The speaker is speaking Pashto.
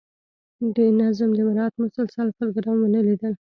د نظم د مراعات مسلسل پروګرام ونه لیدل.